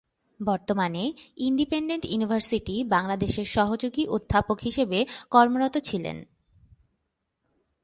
বর্তমানে Independent University বাংলাদেশের সহযোগী অধ্যাপক হিসেবে কর্মরত আছেন তিনি।